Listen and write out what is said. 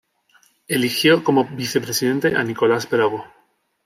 Eligió como vicepresidente a Nicolás Bravo.